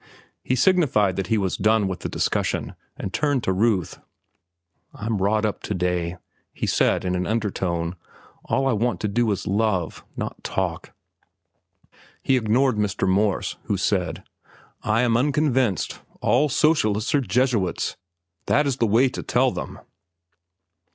He signified that he was done with the discussion, and turned to Ruth. "I'm wrought up to day," he said in an undertone. "All I want to do is to love, not talk." He ignored Mr. Morse, who said: "I am unconvinced. All socialists are Jesuits. That is the way to tell them."